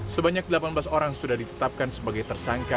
sebanyak delapan belas orang sudah ditetapkan sebagai tersangka